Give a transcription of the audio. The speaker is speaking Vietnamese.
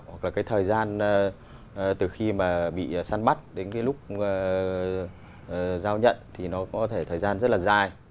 hoặc thời gian từ khi bị săn bắt đến lúc giao nhận thì có thời gian rất dài